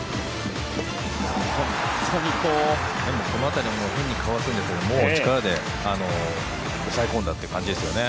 この辺りは変にかわすんじゃなくてもう力で抑え込んだという感じですね。